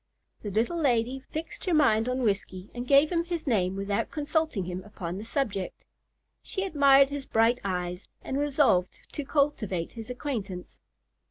The little lady fixed her mind on Whiskey, and gave him his name without consulting him upon the subject. She admired his bright eyes, and resolved to cultivate his acquaintance.